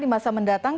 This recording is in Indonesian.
di masa mendatang